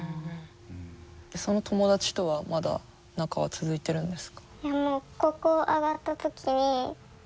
その友達とはまだ仲は続いてるんですか？